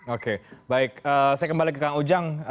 oke baik saya kembali ke kang ujang